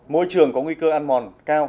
môi trường có nguy cơ ăn mòn cao